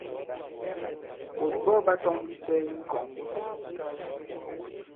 Ɓǒt ɓɔ ɓa tɔ̄ŋ ndi cɛ i ŋ̀kɔ̀ŋ mu si?